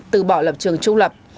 từ bỏ lập trường trung lập